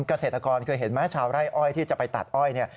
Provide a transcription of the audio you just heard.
เกษตรกรเคยเห็นไหมชาวไร่อ้อยที่จะไปตัดอ้อยเนี่ย